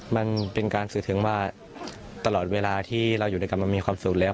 มันเป็นการสื่อถึงมาตลอดเวลาที่เราอยู่ด้วยกันมันมีความสุขแล้ว